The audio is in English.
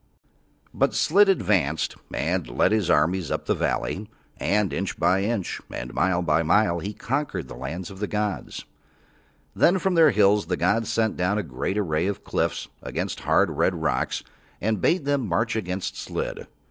But Slid advanced and led his armies up the valley, and inch by inch and mile by mile he conquered the lands of the gods. Then from Their hills the gods sent down a great array of cliffs of hard, red rocks, and bade them march against Slid.